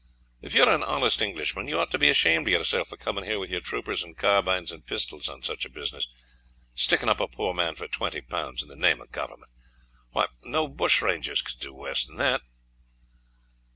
If you are an honest Englishman, you ought to be ashamed of yourself for coming here with your troopers and carbines and pistols on such a business, sticking up a poor man for twenty pounds in the name of the Government. Why, no bushrangers could do worse than that."